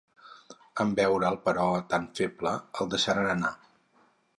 En veure'l, però, tan feble, el deixaren anar.